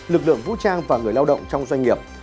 lực lượng vũ trang và người lao động trong doanh nghiệp